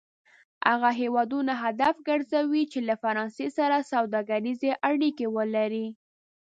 هغه هېوادونه هدف کرځوي چې له فرانسې سره سوداګریزې اړیکې ولري.